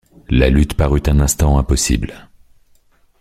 La lutte parut un instant impossible.